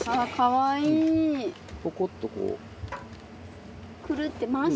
ポコっとこう。